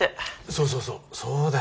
そうそうそうそうだよ。